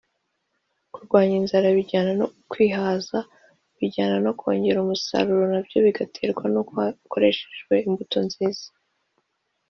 Kurwanya inzara bijyana no kwihaza bijyana no kongera umusaruro nabyo bigaterwa n’uko hakoreshejwe imbuto nziza